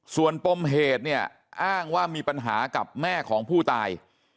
ส่วนปมเหตุเนี่ยอ้างว่ามีปัญหากับแม่ของผู้ตาย